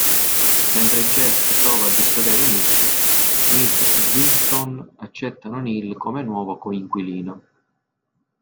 Mentre Jess prova a dissuadere Nick, Schmidt e Winston accettano Neil come nuovo coinquilino.